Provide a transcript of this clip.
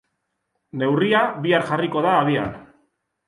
Neurria bihar jarriko da abian.